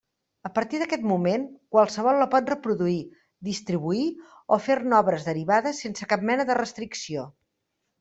A partir d'aquest moment, qualsevol la pot reproduir, distribuir o fer-ne obres derivades sense cap mena de restricció.